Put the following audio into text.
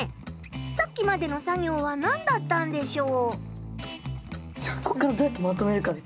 さっきまでの作業は何だったんでしょう。